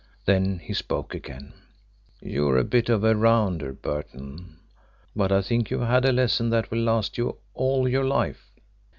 Then he spoke again: "You're a bit of a rounder, Burton, but I think you've had a lesson that will last you all your life.